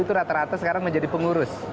itu rata rata sekarang menjadi pengurus